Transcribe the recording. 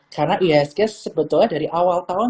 karena ihsg sebetulnya dari awal tahun